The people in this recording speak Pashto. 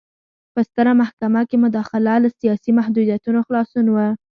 په ستره محکمه کې مداخله له سیاسي محدودیتونو خلاصون و.